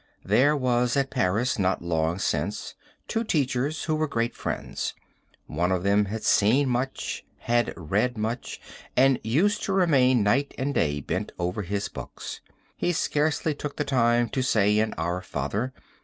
There was at Paris not long since two teachers who were great friends. One of them had seen much, had read much and used to remain night and day bent over his books. He scarcely took the time to say an 'Our Father.'